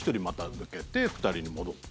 抜けて２人に戻って。